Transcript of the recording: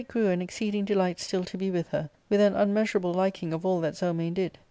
137 grew an exceeding delight still to be with her, with an unmea surable liking of all that Zelmane did.